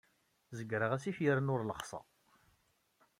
Zegreɣ asif yerna ur lexṣeɣ.